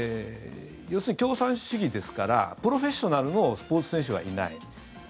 要するに共産主義ですからプロフェッショナルのスポーツ選手はいない。